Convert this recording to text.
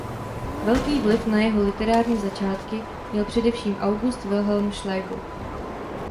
Velký vliv na jeho literární začátky měl především August Wilhelm Schlegel.